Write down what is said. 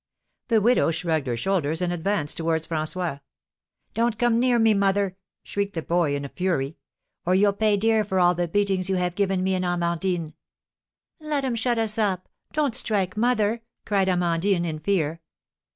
The widow shrugged her shoulders, and advanced towards François. "Don't come near me, mother," shrieked the boy in a fury, "or you'll pay dear for all the beatings you have given me and Amandine!" "Let 'em shut us up; don't strike mother!" cried Amandine, in fear.